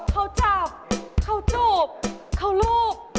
เขาจับเขาจูบเขารูป